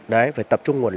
đấy phải tập trung nguồn lực